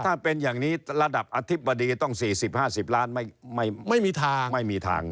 ถ้าเป็นอย่างนี้ระดับอธิบดีต้อง๔๐๕๐ล้านไม่มีทางไม่มีทาง